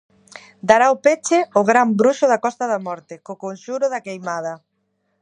Dará o peche o gran bruxo da Costa da Morte co conxuro da queimada.